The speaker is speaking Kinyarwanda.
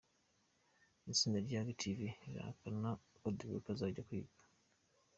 Itsinda rya Active rirahakana ko Dereck azajya kwiga.